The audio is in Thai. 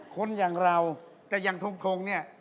คนอย่างเราแต่อย่างทงเนี่ย